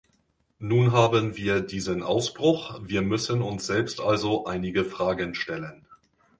Nun haben wir diesen Ausbruch, wir müssen uns selbst also einige Fragen stellen.